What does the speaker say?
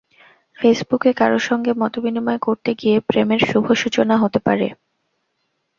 ফেসবুকে কারও সঙ্গে মতবিনিময় করতে গিয়ে প্রেমের শুভ সূচনা হতে পারে।